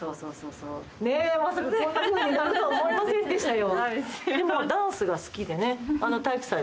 まさか、こんなふうになるとは思いませんでしたよ。